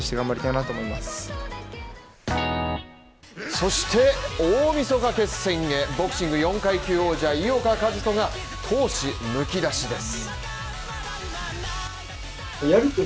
そして大晦日決戦へ、ボクシング４階級王者井岡一翔が闘志むき出しです。